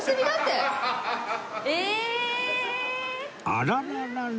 あらららら